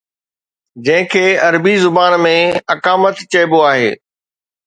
جنهن کي عربي زبان ۾ اقامت چئبو آهي.